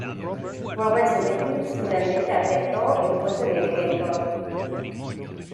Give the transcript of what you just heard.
Robert Zemeckis finalmente aceptó el puesto de director.